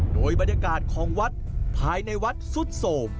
โดยบรรยากาศของวัดภายในวัดสุดโสม